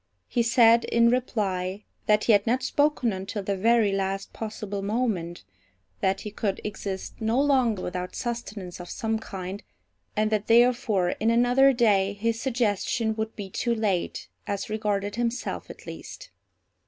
He said, in reply, that he had not spoken until the very last possible moment, that he could exist no longer without sustenance of some kind, and that therefore in another day his suggestion would be too late, as regarded himself at least.